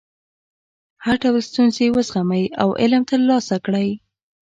هر ډول ستونزې وزغمئ او علم ترلاسه کړئ.